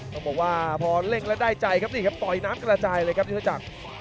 ต้องบอกว่าพอเร่งแล้วได้ใจครับนี่ครับต่อยน้ำกระจายเลยครับยุทธจักร